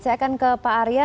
saya akan ke pak arya